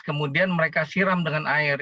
kemudian mereka siram dengan air